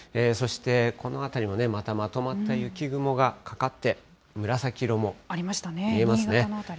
そしてこの辺りもね、またまとまった雪雲がかかって、紫色も見えますね。